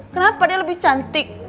kenapa dia lebih cantik